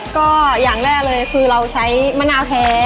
ก็อย่างแรกเลยคือเราใช้มะนาวแท้